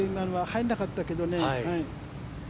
入らなかったけど。